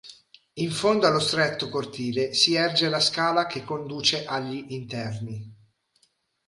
In fondo allo stretto cortile si erge la scala che conduce agli interni.